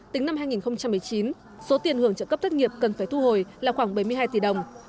tính năm hai nghìn một mươi chín số tiền hưởng trợ cấp thất nghiệp cần phải thu hồi là khoảng bảy mươi hai tỷ đồng